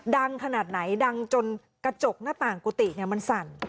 ดังขนาดไหนดังจนกระจกหน้าต่างกุฏิมันสั่น